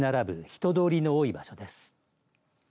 人通りの多い場所です。